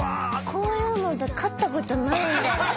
こういうので勝ったことないんで。